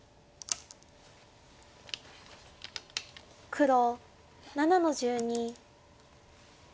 黒７の十二。